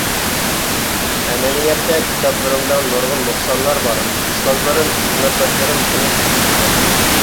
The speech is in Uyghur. ئەمەلىيەتتە كىتابلىرىمدا نۇرغۇن نۇقسانلار بار، ئۇستازلىرىم، خىزمەتداشلىرىم بۇنى تەنقىدلىگەن.